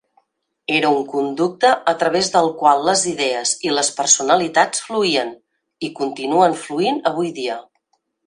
Era un conducte a través del qual les idees i les personalitats fluïen, i continuen fluint avui dia.